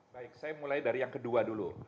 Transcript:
baik saya mulai dari yang kedua dulu